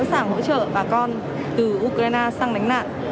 sẵn sàng hỗ trợ bà con từ ukraine sang đánh nạn